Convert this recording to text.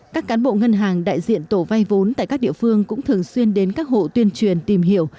các cán bộ ngân hàng đại diện tổ vay vốn tại các địa phương cũng thường xuyên đến các hộ tuyên truyền tìm hiểu